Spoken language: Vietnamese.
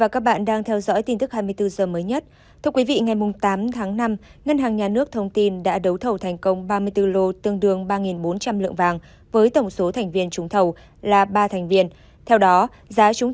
cảm ơn các bạn đã theo dõi